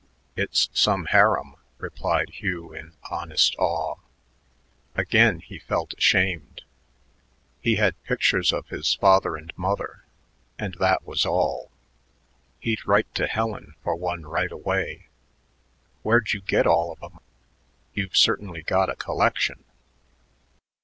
"It's some harem," replied Hugh in honest awe. Again he felt ashamed. He had pictures of his father and mother, and that was all. He'd write to Helen for one right away. "Where'd you get all of 'em? You've certainly got a collection."